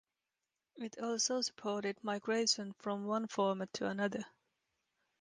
It also supported migration from one format to another.